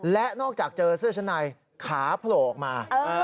และนอกจากเจอเสื้อชั้นในขาโผล่ออกมา